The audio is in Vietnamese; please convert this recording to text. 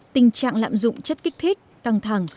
tình trạng lạm dụng chất kích thích căng thẳng